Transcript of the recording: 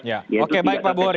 ya oke baik pak buwari